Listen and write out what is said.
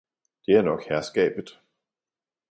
Det er nok herskabet!